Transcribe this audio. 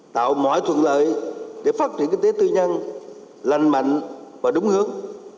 tạo mọi thuận lợi để phát triển kinh tế tư nhân lành mạnh và đúng hướng